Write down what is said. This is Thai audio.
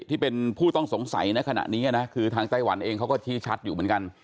ที่เป็นผู้ต้องสงสัยในขณะนี้นะคือทางไต้หวันเองเขาก็ชี้ชัดอยู่เหมือนกัน